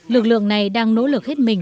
lực lượng này đang nỗ lực hết mình